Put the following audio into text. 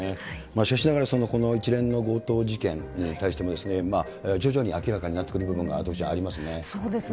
しかしながらその一連の強盗事件に対しても、徐々に明らかになってくる部分が、そうですね。